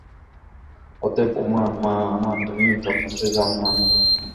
অতএব উমা, মা আমার, তুমি তপস্যায় যাইও না।